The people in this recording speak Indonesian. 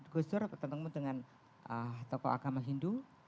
gus dur ketemu dengan toko agama hindu